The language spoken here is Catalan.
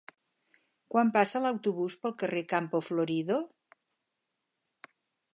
Quan passa l'autobús pel carrer Campo Florido?